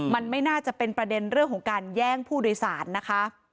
มันไม่น่าจะเป็นประเด็นเรื่องของการแย่งผู้โดยสารนะคะ